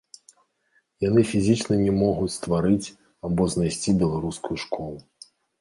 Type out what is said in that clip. Яны фізічна не могуць стварыць або знайсці беларускую школу.